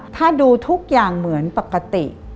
ถ้าดูทุกอย่างเหมือนปกติ